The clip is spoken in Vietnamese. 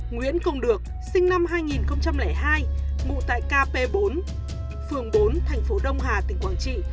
nguyễn công được sinh năm hai nghìn hai ngụ tại kp bốn phường bốn thành phố đông hà tỉnh quảng trị